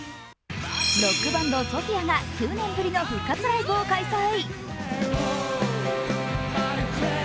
ロックバンド・ＳＯＰＨＩＡが９年ぶりの復活ライブを開催。